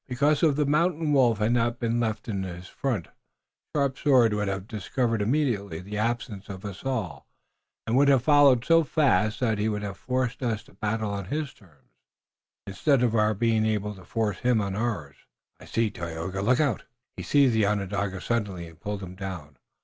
"Because if the Mountain Wolf had not been left in his front, Sharp Sword would have discovered immediately the absence of us all and would have followed so fast that he would have forced us to battle on his terms, instead of our being able to force him on ours." "I see, Tayoga. Look out!" He seized the Onondaga suddenly and pulled him down.